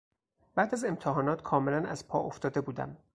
بعد از امتحانات کاملا از پا افتاده بودم.